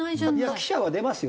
記者は出ますよ